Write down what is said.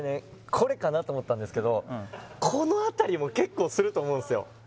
これかなと思ったんですけどこの辺りも結構すると思うんすよ